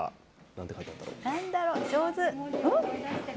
なんだろう、上手。